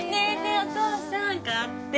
お父さん買って。